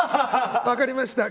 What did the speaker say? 分かりました。